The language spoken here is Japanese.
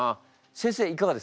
先生いかがですか？